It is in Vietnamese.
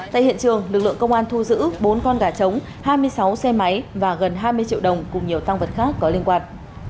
tại hiện trường lực lượng công an thu giữ bốn con gà trống hai mươi sáu xe máy và gần hai mươi triệu đồng cùng nhiều tăng vật khác có liên quan